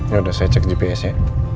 yaudah saya cek gps ya